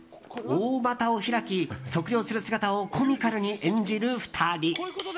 大股を開き測量する姿をコミカルに演じる２人。